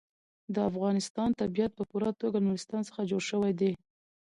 د افغانستان طبیعت په پوره توګه له نورستان څخه جوړ شوی دی.